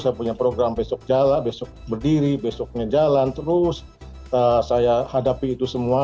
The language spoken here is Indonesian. saya punya program besok jalan besok berdiri besoknya jalan terus saya hadapi itu semua